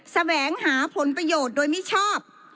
แสวงหาผลประโยชน์โดยมิชอบ